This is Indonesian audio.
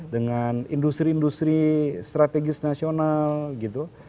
dengan industri industri strategis nasional gitu